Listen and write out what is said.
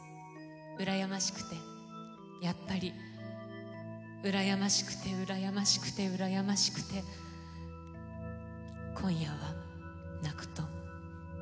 うらやましくてやっぱりうらやましくてうらやましくてうらやましくて今夜は泣くと思います。